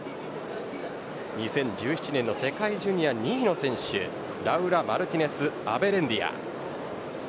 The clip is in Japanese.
２０１７年の世界ジュニア２位の選手ラウラ・マルティネスアベレンディア。